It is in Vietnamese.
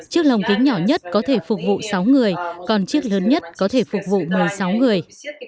chiếc lồng kính nhỏ nhất có thể phục vụ sáu người còn chiếc lớn nhất có thể phục vụ một mươi sáu người